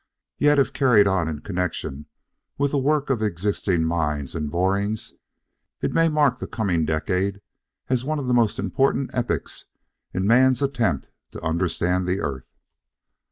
Yet, if carried on in connection with the work of existing mines and borings it may mark the coming decade as one of the important epochs in man's attempt to understand the earth.